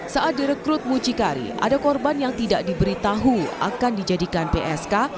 saat direkrut mucikari ada korban yang tidak diberitahu akan dijadikan psk